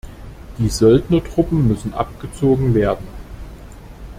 Die Söldnertruppen müssen abgezogen werden.